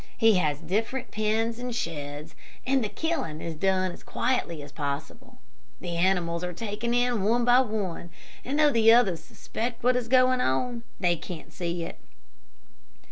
He has different pens and sheds, and the killing is done as quietly as possible; the animals are taken in one by one, and though the others suspect what is going on, they can't see it."